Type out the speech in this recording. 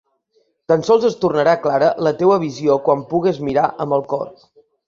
Tan sols es tornarà clara la teua visió quan pugues mirar amb el cor.